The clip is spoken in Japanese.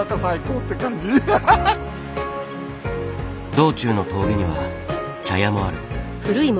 道中の峠には茶屋もある。